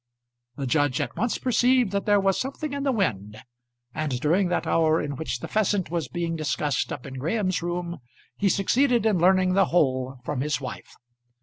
The judge at once perceived that there was something in the wind, and during that hour in which the pheasant was being discussed up in Graham's room, he succeeded in learning the whole from his wife.